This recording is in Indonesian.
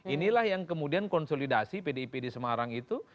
inilah yang kemudian konsolidasi pdip di semarang itu